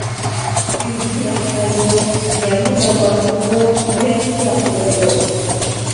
سۈيدۈكنى ياخشىلايدۇ، جىگەرنى جانلاندۇرىدۇ، يۈرەكنى ياخشىلايدۇ.